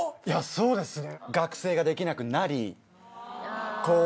そうですね